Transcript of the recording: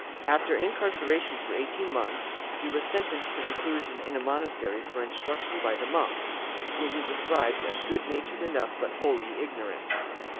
After incarceration for eighteen months, he was sentenced to reclusion in a monastery for instruction by the monks, whom he describes as good natured enough but wholly ignorant.